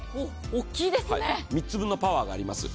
３つ分のパワーがあります。